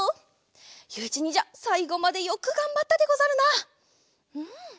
ゆういちにんじゃさいごまでよくがんばったでござるな。